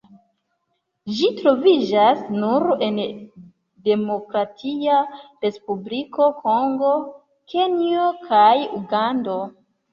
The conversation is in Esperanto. Ĝi troviĝas nur en Demokratia Respubliko Kongo, Kenjo kaj Ugando.